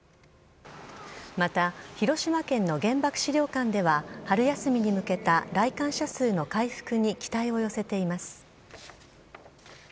また広島県の原爆資料館では、春休みに向けた来館者数の回復に期待を寄せています。